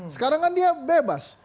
sekarang kan dia bebas